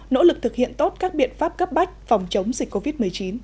nỗ lực thực hiện tốt các biện pháp cấp bách phòng chống dịch covid một mươi chín